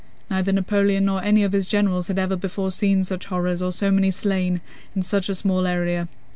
Neither Napoleon nor any of his generals had ever before seen such horrors or so many slain in such a small area.